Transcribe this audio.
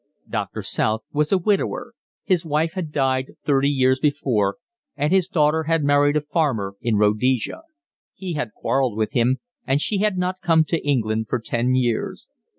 Doctor South was a widower, his wife had died thirty years before, and his daughter had married a farmer in Rhodesia; he had quarrelled with him, and she had not come to England for ten years.